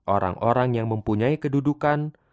orang orang yang mempunyai kedudukan